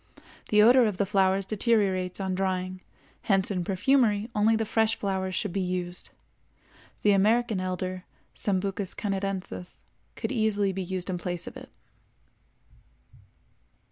The odor of the flowers deteriorates on drying, hence in perfumery only the fresh flowers should be used. The American elder (Sambucus canadensis) could easily be used in place of it.